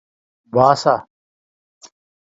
باسه